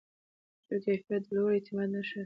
ښه کیفیت د لوړ اعتماد نښه ده.